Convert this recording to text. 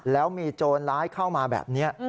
แล้วมีโจรร้ายเข้ามาแบบนี้